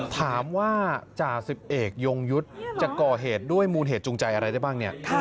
ถามว่าจ่าสิบเอกยงยุทธ์จะก่อเหตุด้วยมูลเหตุจูงใจอะไรได้บ้างเนี่ย